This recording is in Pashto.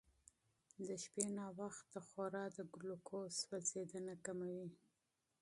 د شپې ناوخته خورا د ګلوکوز سوځېدنه کموي.